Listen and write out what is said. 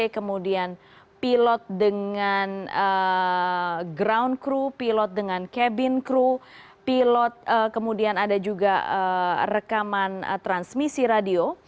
kemudian pilot dengan ground crew pilot dengan cabin crew pilot kemudian ada juga rekaman transmisi radio